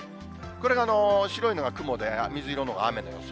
これが白いのが雲で、水色のが雨の予想。